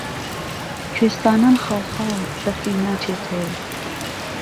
کوێستانان خاڵخاڵ، بهفری ناچێتۆ